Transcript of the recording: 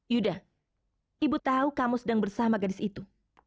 yuda ibu tahu kamu sedang bersama gadis itu